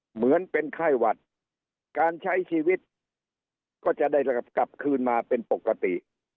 เหมือนเป็นไข้หวัดการใช้ชีวิตก็จะได้กลับคืนมาเป็นปกติ